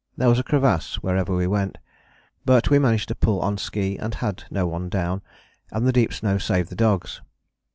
There was a crevasse wherever we went, but we managed to pull on ski and had no one down, and the deep snow saved the dogs."